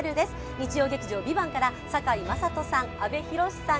日曜劇場「ＶＩＶＡＮＴ」から堺雅人さん、阿部寛さん